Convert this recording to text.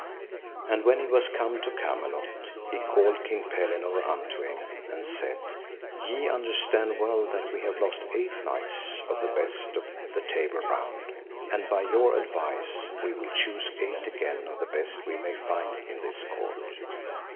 And when he was come to Camelot he called King Pellinore unto him, and said, Ye understand well that we have lost eight knights of the best of the Table Round, and by your advice we will choose eight again of the best we may find in this court.